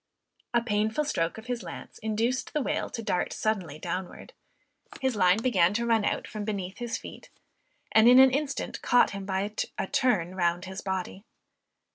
A painful stroke of his lance induced the whale to dart suddenly downward; his line began to run out from beneath his feet, and in an instant caught him by a turn round his body.